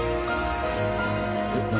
何？